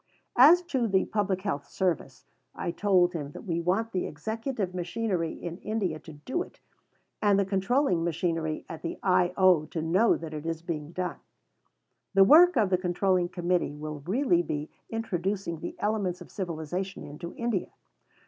As to the Public Health Service, I told him that we want the Executive Machinery in India to do it, and the Controlling Machinery at the I.O. to know that it is being done. The work of the Controlling Committee will really be introducing the elements of civilization into India.